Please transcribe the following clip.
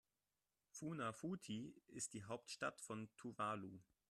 Funafuti ist die Hauptstadt von Tuvalu.